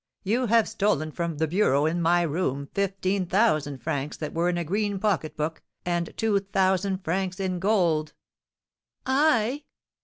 You have stolen, from the bureau in my room, fifteen thousand francs that were in a green pocket book, and two thousand francs in gold.' 'I?